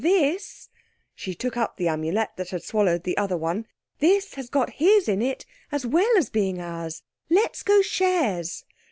This," she took up the Amulet that had swallowed the other one, "this has got his in it as well as being ours. Let's go shares."